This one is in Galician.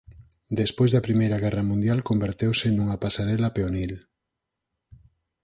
Despois da Primeira Guerra Mundial converteuse nunha pasarela peonil.